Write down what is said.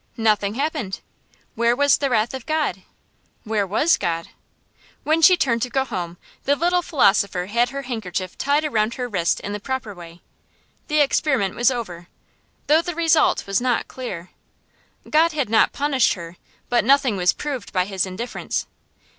Nothing happened! Where was the wrath of God? Where was God? When she turned to go home, the little philosopher had her handkerchief tied around her wrist in the proper way. The experiment was over, though the result was not clear. God had not punished her, but nothing was proved by His indifference.